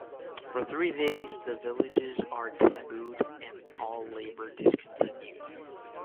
For three days the villages are tabooed and all labor discontinued.